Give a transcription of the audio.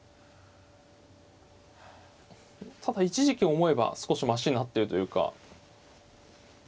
ただ一時期を思えば少しましになってるというか。